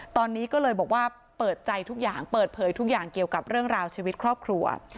ตอนนี้ก็เลยบอกว่าเปิดใจทุกอย่างเปิดเผยทุกอย่างเกี่ยวกับเรื่องราวชีวิตครอบครัว